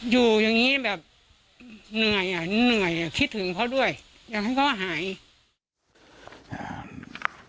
อยู่อย่างงี้แบบเหนื่อยอ่ะเหนื่อยอ่ะคิดถึงเขาด้วยอยากให้เขาหายอ่า